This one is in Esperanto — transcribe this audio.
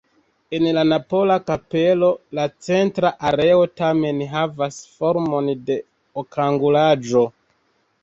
En la napola kapelo la centra areo tamen havas formon de okangulaĵo.